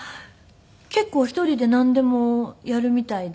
結構１人でなんでもやるみたいで。